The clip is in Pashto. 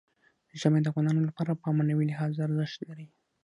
ژمی د افغانانو لپاره په معنوي لحاظ ارزښت لري.